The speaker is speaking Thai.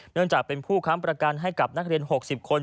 เนื่องจากเป็นผู้ค้ำประกันให้กับนักเรียน๖๐คน